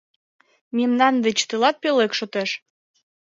Мемнан деч тылат пӧлек шотеш.